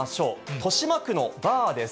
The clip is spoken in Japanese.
豊島区のバーです。